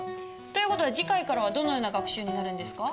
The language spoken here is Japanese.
という事は次回からはどのような学習になるんですか？